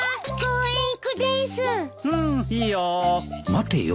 待てよ。